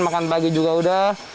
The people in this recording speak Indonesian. makan pagi juga udah